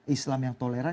islam yang toleran